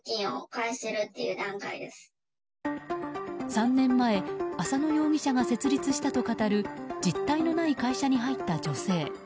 ３年前、浅野容疑者が設立したと語る実体のない会社に入った女性。